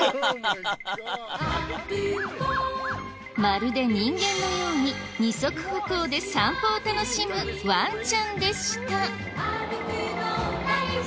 まるで人間のように二足歩行で散歩を楽しむワンちゃんでした。